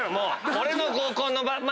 俺の合コンの前。